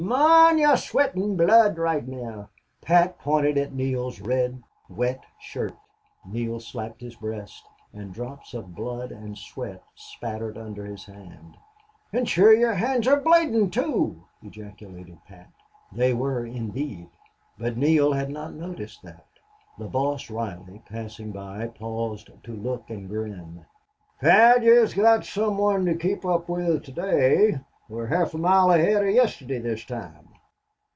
Mon, ye're sweatin' blood roight now!" Pat pointed at Neale's red, wet shirt. Neale slapped his breast, and drops of blood and sweat spattered from under his hand. "An' shure ye're hands are bladin', too!" ejaculated Pat. They were, indeed, but Neale had not noted that. The boss, Reilly, passing by, paused to look and grin. "Pat, yez got some one to kape up with to day. We're half a mile ahead of yestidy this time."